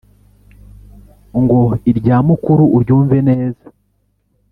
ngo irya mukuru uryumve neza,